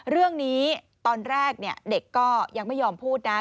เรื่องนี้ตอนแรกเด็กก็ยังไม่ยอมพูดนะ